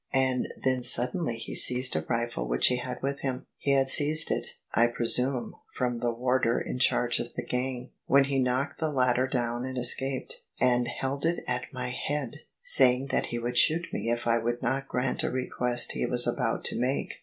And then suddenly he seized a rifle which he had with him (he had seized it, I presume, from the warder in charge of the gang, when he knocked the latter down and escaped) — and held it at my head, saying that he would shoot me if I would not grant a request he was about to make."